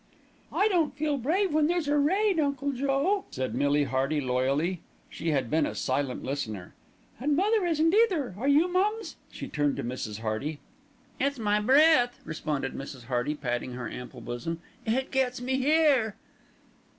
"I don't feel brave when there's a raid, Uncle Joe," said Millie Hearty loyally. She had been a silent listener. "And mother isn't either, are you, mums?" she turned to Mrs. Hearty. "It's my breath," responded Mrs. Hearty, patting her ample bosom. "It gets me here."